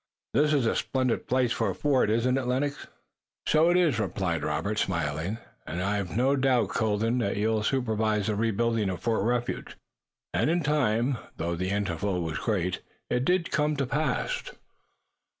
This is a splendid place for a fort, isn't it, Lennox?" "So it is," replied Robert, smiling, "and I've no doubt, Colden, that you'll supervise the rebuilding of Fort Refuge." And in time, though the interval was great, it did come to pass.